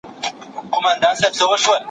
تاسو به د نوي فرصتونو څخه ګټه اخلئ.